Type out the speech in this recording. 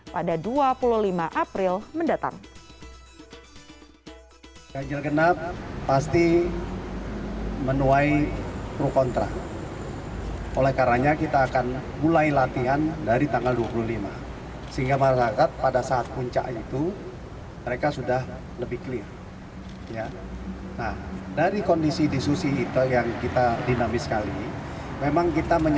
pada dua puluh lima april mendatang